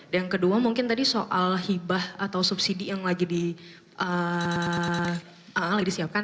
yang kedua mungkin tadi soal hibah atau subsidi yang lagi disiapkan